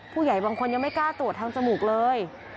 ผู้ใหญ่บางคนยังไม่กล้าตรวจทางจมูกเลย